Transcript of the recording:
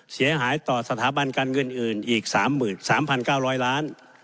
เสียหายต่อสถาบันการเงินอื่นอีก๓๓๙๐๐ล้าน